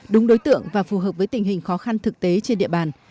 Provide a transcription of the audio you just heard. đúng đối tượng và phù hợp với tình hình khó khăn thực tế trên địa bàn